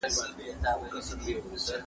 کېدای سي چپنه ګنده وي!